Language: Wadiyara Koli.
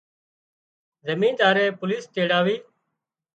زميندائي پوليش تيڙاوي